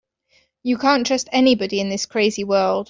You can't trust anybody in this crazy world.